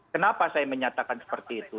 kenapa saya menyatakan seperti itu